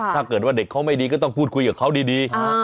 ถ้าเกิดว่าเด็กเขาไม่ดีก็ต้องพูดคุยกับเขาดี